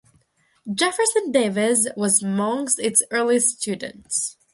Jefferson Davis was among its earliest students.